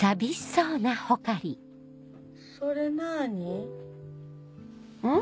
それなぁに？ん？